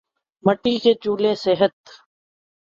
مٹی کے چولہے صحت